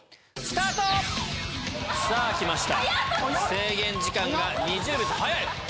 制限時間が２０秒。